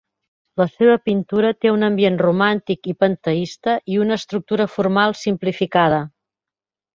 La seva pintura té un ambient romàntic i panteista i una estructura formal simplificada.